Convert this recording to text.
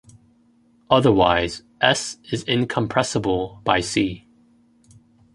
Otherwise, "s" is incompressible by "c".